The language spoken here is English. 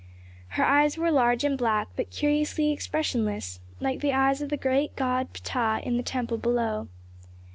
Her eyes were large and black, but curiously expressionless, like the eyes of the great god Ptah in the temple below.